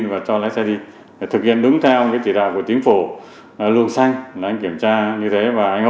và các sở cấp mã và y tế